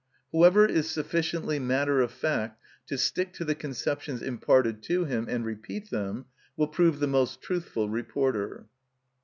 Whoever is sufficiently matter of fact to stick to the conceptions imparted to him, and repeat them, will prove the most truthful reporter.